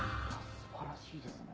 素晴らしいですね。